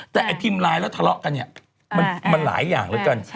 แต่ไอ้พิมพ์ไลน์แล้วทะเลาะกันเนี่ยมันหลายอย่างแล้วกัน